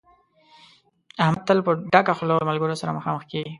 احمد تل په ډکه خوله له ملګرو سره مخامخ کېږي.